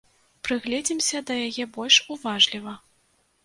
Прыгледзімся да яе больш уважліва.